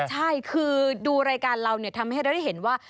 ใช่คือดูรายการเราทำให้เราได้เห็นว่า